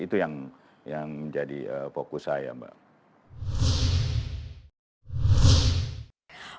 itu yang menjadi fokus saya mbak